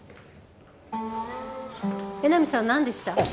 江波さんなんでした？